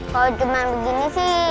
kau cuma begini sih